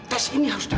tes ini harus dikutuk